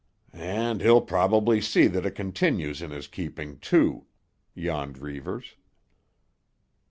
"And he'll probably see that it continues in his keeping, too," yawned Reivers.